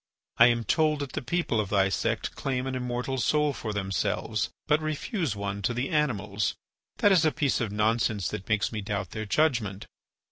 I am told that the people of thy sect claim an immortal soul for themselves, but refuse one to the animals. That is a piece of nonsense that makes me doubt their judgment.